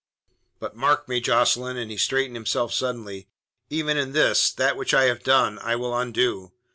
"But mark me, Jocelyn" and he straightened himself suddenly "even in this, that which I have done I will undo.